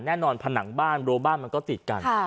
แน่นอนผนังบ้านรัวบ้านมันก็ติดกัน